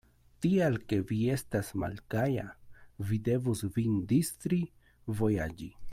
Tial ke vi estas malgaja, vi devus vin distri, vojaĝi.